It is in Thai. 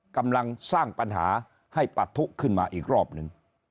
กำลังสร้างปัญหาให้ปะทุขึ้นมาอีกรอบหนึ่ง